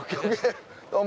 どうも。